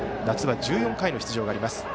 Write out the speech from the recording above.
夏は１４回の出場があります。